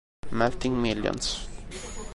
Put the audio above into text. Melting Millions